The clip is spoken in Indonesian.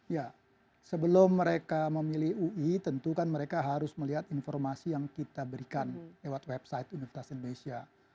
ya sebelum mereka memilih ui tentu kan mereka harus melihat informasi yang kita berikan lewat website universitas indonesia